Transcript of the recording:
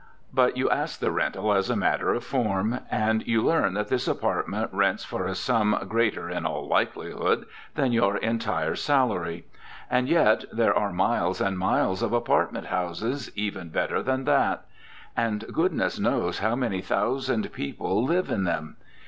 But you ask the rental as a matter of form. And you learn that this apartment rents for a sum greater (in all likelihood) than your entire salary. And yet, there are miles and miles of apartment houses even better than that. And goodness knows how many thousand people live in them!